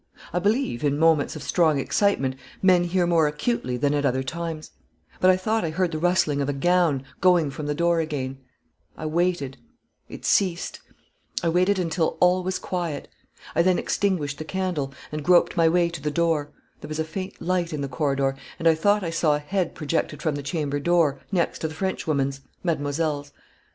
I believe, in moments of strong excitement, men hear more acutely than at other times; but I thought I heard the rustling of a gown, going from the door again. I waited it ceased; I waited until all was quiet. I then extinguished the candle, and groped my way to the door; there was a faint light in the corridor, and I thought I saw a head projected from the chamber door, next to the Frenchwoman's mademoiselle's.